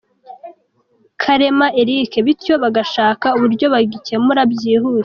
Karema Eric bityo bagashaka uburyo bagicyemura byihuse.